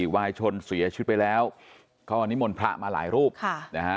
วายชนเสียชีวิตไปแล้วก็นิมนต์พระมาหลายรูปค่ะนะฮะ